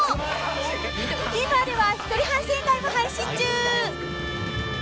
［ＴＶｅｒでは一人反省会も配信中］